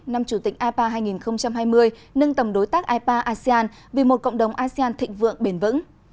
năm chủ tịch ipa hai nghìn hai mươi nâng tầm đối tác ipa asean vì một cộng đồng asean thịnh vượng bền vững